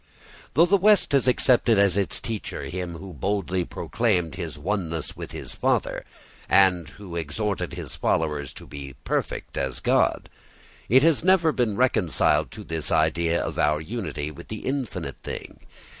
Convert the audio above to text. Though the West has accepted as its teacher him who boldly proclaimed his oneness with his Father, and who exhorted his followers to be perfect as God, it has never been reconciled to this idea of our unity with the infinite being.